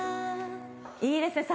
いいですね